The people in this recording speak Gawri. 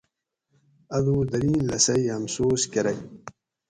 اۤ دوس درین لسئ ھمسوس کرگ